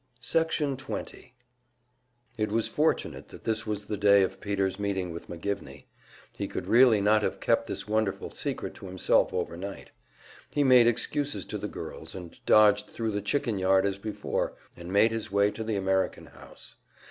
Section 20 It was fortunate that this was the day of Peter's meeting with McGivney. He could really not have kept this wonderful secret to himself over night. He made excuses to the girls, and dodged thru the chicken yard as before, and made his way to the American House.